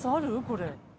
これ。